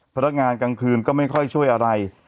พนักงานกลางคืนก็ไม่ค่อยช่วยอะไร